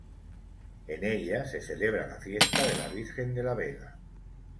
En ella se celebra la fiesta de la Virgen de la Vega.